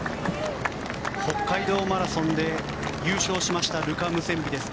北海道マラソンで優勝しましたルカ・ムセンビです。